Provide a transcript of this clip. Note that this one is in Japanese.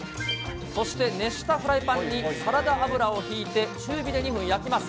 そして、熱したフライパンにサラダ油を引いて、中火で２分焼きます。